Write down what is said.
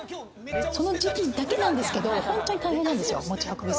その時期だけなんですけど、本当に大変なんですよ。